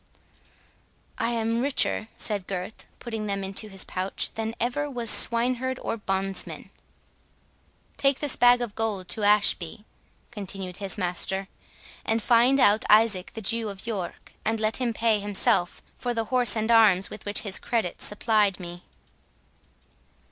"I am richer," said Gurth, putting them into his pouch, "than ever was swineherd or bondsman." "Take this bag of gold to Ashby," continued his master, "and find out Isaac the Jew of York, and let him pay himself for the horse and arms with which his credit supplied me."